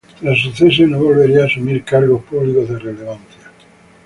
Tras su cese no volvería a asumir cargos públicos de relevancia.